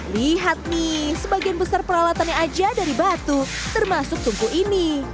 lihat nih sebagian besar peralatannya aja dari batu termasuk tungku ini